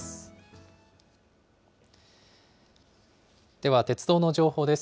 では、鉄道の情報です。